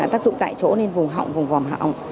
tác dụng tại chỗ nên vùng họng vùng vòng họng